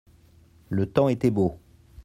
le temps était beau.